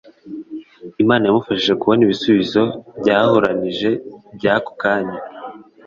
Imana yamufashije kubona ibisubizo byahuranije by'ako kanya,